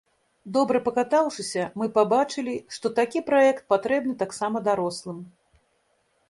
Добра пакатаўшыся, мы пабачылі, што такі праект патрэбны таксама дарослым.